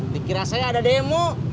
dikira saya ada demo